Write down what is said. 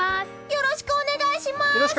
よろしくお願いします！